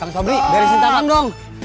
kamu sobri biarin si taman dong